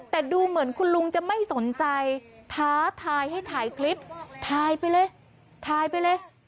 แต่ดูเหมือนคุณลุงจะไม่สนใจท้าทายให้ถ่ายคลิปถ่ายไปเลยถ่ายไปเลย